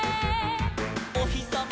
「おひさま